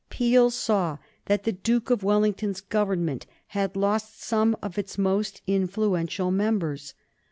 Peel saw that the Duke of Wellington's Government had lost some of its most influential members.